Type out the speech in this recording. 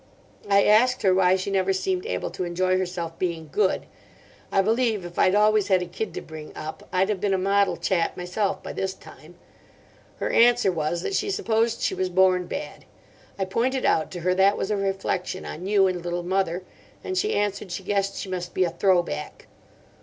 I asked her why she never seemed able to enjoy herself being good—I believe if I'd always had a kid to bring up I'd have been a model chap myself by this time. Her answer was that she supposed she was born bad. I pointed out to her that was a reflection on you and Little Mother; and she answered she guessed she must be a 'throw back.